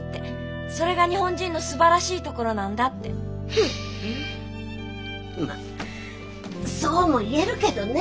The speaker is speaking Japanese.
ふんまあそうも言えるけどね。